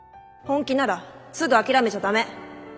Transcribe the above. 本気ならすぐ諦めちゃ駄目。